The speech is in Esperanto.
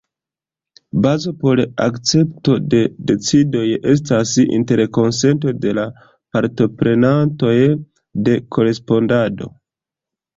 Bazo por akcepto de decidoj estas interkonsento de la partoprenantoj de korespondado.